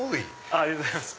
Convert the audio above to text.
ありがとうございます。